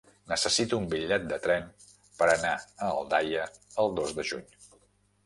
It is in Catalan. Necessito un bitllet de tren per anar a Aldaia el dos de juny.